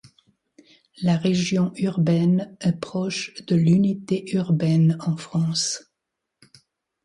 La région urbaine est proche de l'unité urbaine en France.